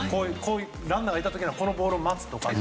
ランナーがいたらこのボールを待つとか。